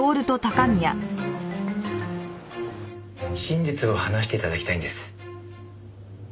真実を話して頂きたいんです。